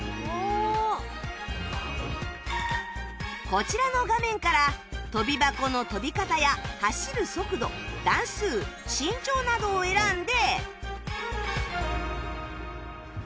こちらの画面から跳び箱の跳び方や走る速度段数身長などを選んで